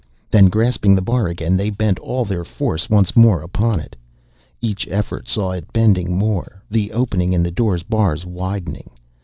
Then grasping the bar again they bent all their force once more upon it. Each effort saw it bending more, the opening in the door's bars widening.